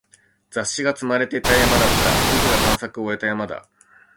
雑誌が積まれていた山だった。僕が探索を終えた山だ。